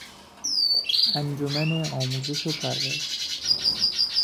انجمن آموزش و پرورش